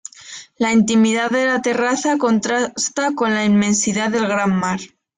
La intimidad de la terraza contrasta con la inmensidad del gran mar.